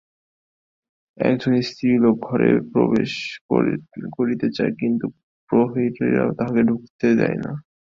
একজন স্ত্রীলোক ঘরে প্রবেশ করিতে চায়, কিন্তু প্রহরীরা তাহাকে নিষেধ করিতেছে।